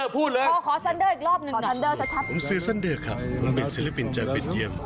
ผมชื่อซันเดอร์ครับผมเป็นศิลปินจากเป็นเยี่ยม